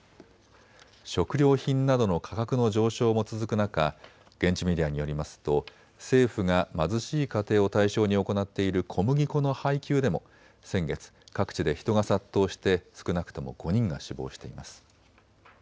食料品などの価格の上昇も続く中、現地メディアによりますと政府が貧しい家庭を対象に行っている小麦粉の配給でも先月、各地で人が殺到して少なくとも５人が死亡しています。